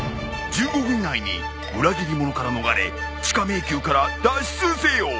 １５分以内に裏切り者から逃れ地下迷宮から脱出せよ！